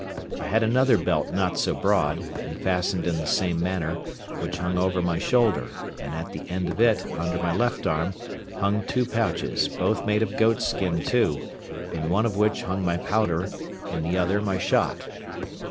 I had another belt not so broad, and fastened in the same manner, which hung over my shoulder, and at the end of it, under my left arm, hung two pouches, both made of goat's skin too, in one of which hung my powder, in the other my shot.